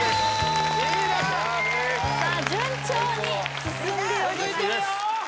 さあ順調に進んでおります続いてるよ！